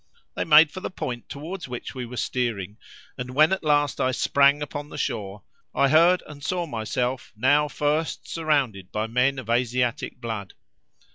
They made for the point towards which we were steering, and when at last I sprang upon the shore, I heard, and saw myself now first surrounded by men of Asiatic blood.